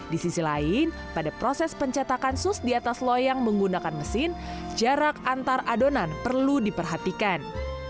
di sisi lain pada proses pencetakan sus di atas loyang menggunakan mesin jarak antar adonan perlu diperhatikan